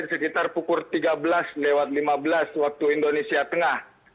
sekitar pukul tiga belas lima belas waktu indonesia tengah